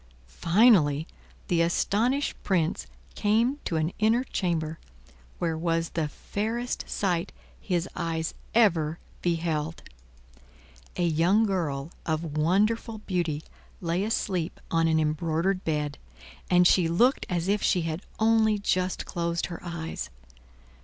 Finally, the astonished Prince came to an inner chamber, where was the fairest sight his eyes ever beheld. A young girl of wonderful beauty lay asleep on an embroidered bed, and she looked as if she had only just closed her eyes.